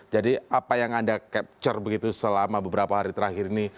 jadi apa yang anda capture begitu selama beberapa hari terakhir ini